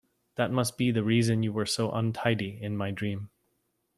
That must be the reason you were so untidy in my dream